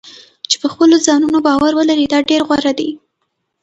چې په خپلو ځانونو باور ولري دا ډېر غوره دی.